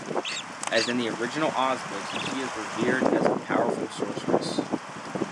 As in the original Oz books, she is revered as a powerful sorceress.